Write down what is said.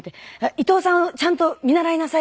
「伊藤さんをちゃんと見習いなさい」みたいな。